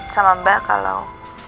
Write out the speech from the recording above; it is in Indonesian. sama mbak kalau